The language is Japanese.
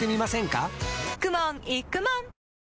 かくもんいくもん